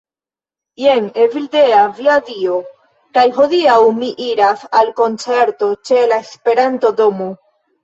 Jen Evildea. Via Dio. kaj hodiaŭ mi iras al koncerto ĉe la Esperanto-domo